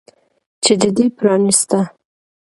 چې د دې پرانستنه